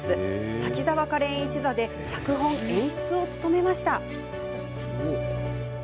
滝沢カレン一座で脚本・演出を務めました。